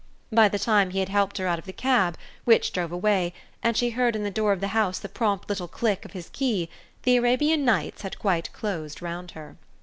By the time he had helped her out of the cab, which drove away, and she heard in the door of the house the prompt little click of his key, the Arabian Nights had quite closed round her.